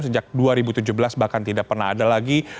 sejak dua ribu tujuh belas bahkan tidak pernah ada lagi